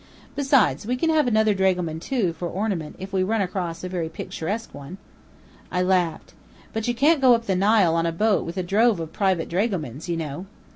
Besides, we can have another dragoman, too, for ornament, if we run across a very picturesque one." I laughed. "But you can't go up the Nile on a boat with a drove of private dragomans, you know!"